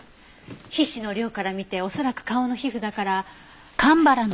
皮脂の量から見て恐らく顔の皮膚だから。